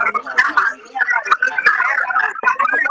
จะมาหาอีกรอบ